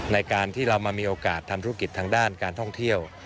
ในการที่เรามามีโอกาสทำธุรกิจทางด้านการท่องเที่ยว